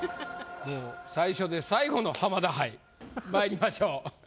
もう最初で最後の浜田杯まいりましょう。